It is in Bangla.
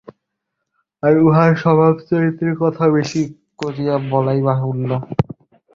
আর, উহার স্বভাবচরিত্রের কথা বেশি করিয়া বলাই বাহুল্য।